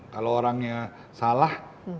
kalau orangnya salah